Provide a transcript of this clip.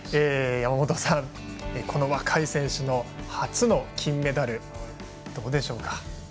山本さん、この若い選手の初の金メダル、どうでしょうか？